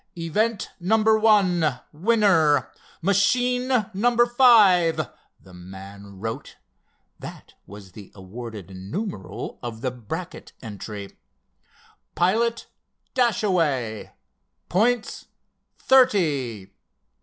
"Event No. 1—Winner, Machine number five," the man wrote. That was the awarded numeral of the Brackett entry. "Pilot—Dashaway. Points—thirty."